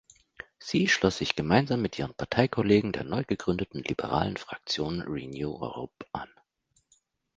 Sie schloss sich gemeinsam mit ihren Parteikollegen der neugegründeten liberalen Fraktion Renew Europe an.